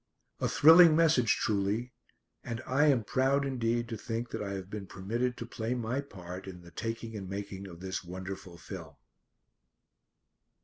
A thrilling message truly, and I am proud indeed to think that I have been permitted to play my part in the taking and making of this wonderful film.